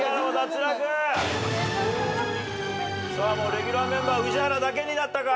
レギュラーメンバー宇治原だけになったか？